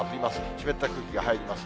湿った空気が入ります。